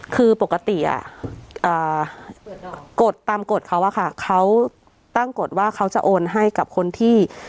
คือปกติกฎตามกฎเขาอะค่ะเขาตั้งกฎว่าเขาจะโอนให้กับคนที่